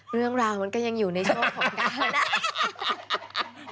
เรื่องราวมันก็ยังอยู่ในช่วงของการ